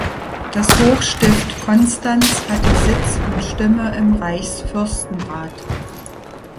Das Hochstift Konstanz hatte Sitz und Stimme im Reichsfürstenrat.